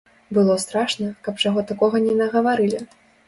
Было страшна, каб чаго такога не нагаварылі.